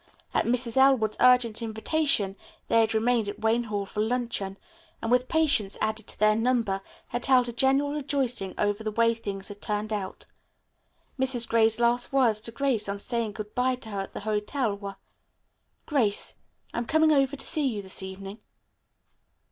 At Mrs. Elwood's urgent invitation they had remained at Wayne Hall for luncheon, and with Patience added to their number had held a general rejoicing over the way things had turned out. Mrs. Gray's last words to Grace on saying good bye to her at the hotel were, "Grace, I am coming over to see you this evening."